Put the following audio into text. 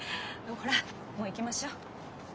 ほらもう行きましょう。